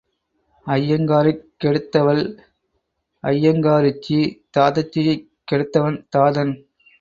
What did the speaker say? ஐயங்காரைக் கெடுத்தவள் ஐயங்காரிச்சி, தாதச்சியைக் கெடுத்தவன் தாதன்.